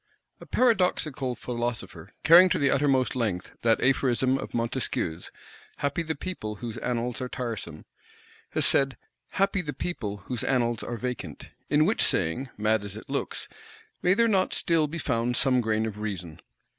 A paradoxical philosopher, carrying to the uttermost length that aphorism of Montesquieu's, "Happy the people whose annals are tiresome," has said, "Happy the people whose annals are vacant." In which saying, mad as it looks, may there not still be found some grain of reason?